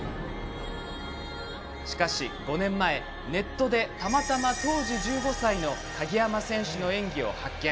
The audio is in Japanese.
しかし５年前、ネットでたまたま、当時１５歳の鍵山選手の演技を発見。